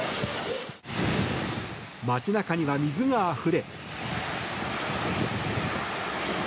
街中には水があふれ。